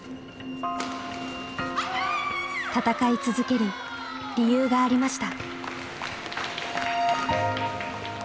戦い続ける理由がありました。